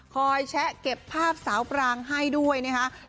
คอยแชะเก็บภาพสาวปรางให้ด้วยเนี่ยนะครับ